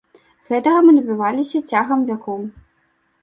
Гэтага мы дабіваліся цягам вякоў.